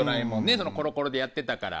『コロコロ』でやってたから。